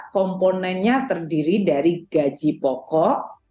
komponennya terdiri dari gaji pokok